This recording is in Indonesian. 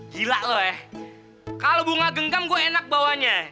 gila lo eh kalau bunga genggam gue enak bawanya